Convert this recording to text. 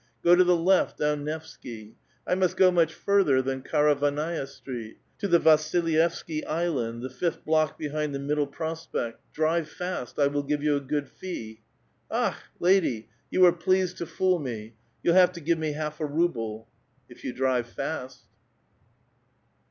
Go to the left^ V. "^ti Nevsky. I must go much further than Karavannaia ^jT^et, to the Vasilyevsky Island, the fifth block behind the ^^dle Pix)spekt. Drive fast; I will give you a good fee." ^^*" Akh! lady, you were pleased to fool me. You'll have ^ive me half a ruble." ^^ If you drive fast."